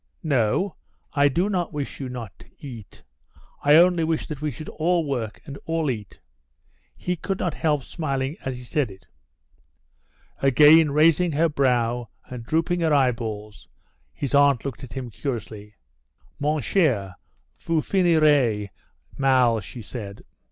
"No, I do not wish you not to eat. I only wish that we should all work and all eat." He could not help smiling as he said it. Again raising her brow and drooping her eyeballs his aunt looked at him curiously. "Mon cher vous finirez mal," she said.